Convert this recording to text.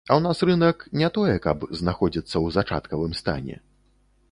А ў нас рынак не тое, каб знаходзіцца ў зачаткавым стане.